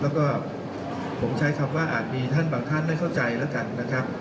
แล้วก็ผมใช้คำว่าอาจมีท่านบางท่านได้เข้าใจแล้วกันนะครับ